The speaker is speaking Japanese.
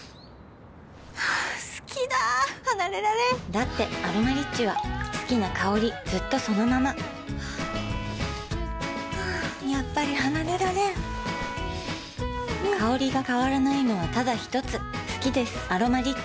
好きだ離れられんだって「アロマリッチ」は好きな香りずっとそのままやっぱり離れられん香りが変わらないのはただひとつ好きです「アロマリッチ」